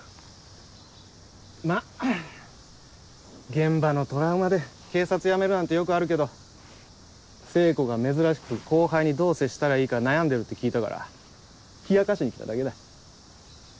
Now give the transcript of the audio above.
まぁ現場のトラウマで警察辞めるなんてよくあるけど聖子が珍しく後輩にどう接したらいいか悩んでるって聞いたから冷やかしに来ただけだ。